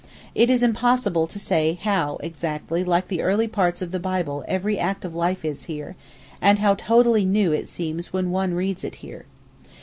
It is impossible to say how exactly like the early parts of the Bible every act of life is here, and how totally new it seems when one reads it here.